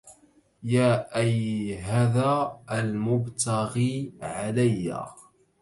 يا أيهذا المبتغي عليا